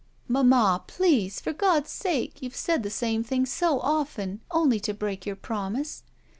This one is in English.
"Mamma, please! For God's sake, you've said the same thing so often, only to break your promise."